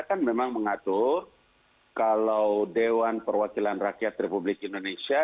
kan memang mengatur kalau dewan perwakilan rakyat republik indonesia